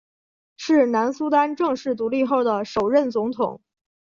是南苏丹正式独立后的首任总统。